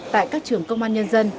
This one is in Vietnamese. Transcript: tại các trường công an nhân dân